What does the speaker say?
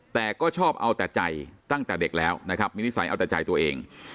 แต่ก็ชอบเอาแต่ใจตั้งแต่เด็กแล้วนะครับมีนิสัยเอาแต่ใจตัวเอง